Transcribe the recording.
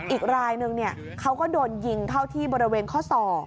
อีกรายนึงเขาก็โดนยิงเข้าที่บริเวณข้อศอก